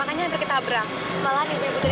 hanya aku ga kaget